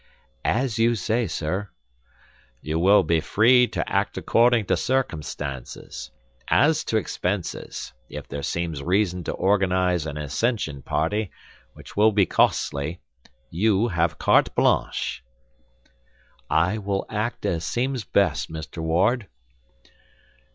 "As you say, sir." "You will be free to act according to circumstances. As to expenses, if there seems reason to organize an ascension party, which will be costly, you have carte blanche." "I will act as seems best, Mr. Ward."